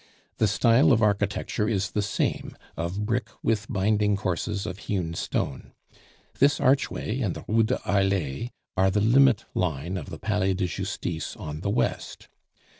The style of architecture is the same, of brick with binding courses of hewn stone. This archway and the Rue de Harlay are the limit line of the Palais de Justice on the west.